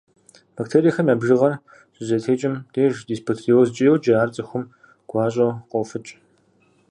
Бактериехэм я бжыгъэр щызэтекӏым деж дисбактериозкӏэ йоджэ, ар цӏыхум гуащӏэу къофыкӏ.